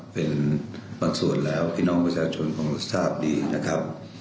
เป็นบางส่วนแล้วพี่น้องประชาชนคงทราบดีนะครับ